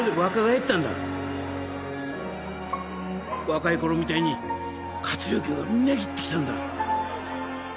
若い頃みたいに活力がみなぎってきたんだ。